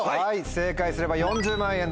正解すれば４０万円です。